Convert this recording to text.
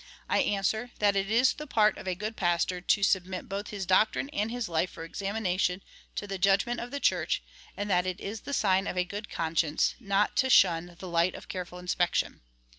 I answer, that it is the part of a good pastor to submit both his doctrine and his life for examination to the judgment of the Church, and that it is the sign of a good conscience not to shun the light of careful inspection.